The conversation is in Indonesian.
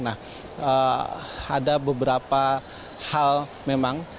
nah ada beberapa hal memang